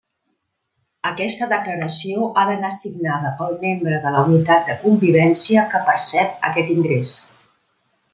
Aquesta declaració ha d'anar signada pel membre de la unitat de convivència que percep aquest ingrés.